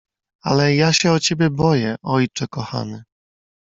"Ale ja się o ciebie boję, ojcze kochany."